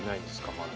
まだ。